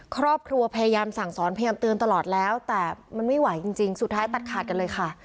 ครอบครัวพยายามสั่งสอนพยายามเตือนตลอดแล้วแต่มันไม่ไหวจริงสุดท้ายตัดขาดกันเลยค่ะ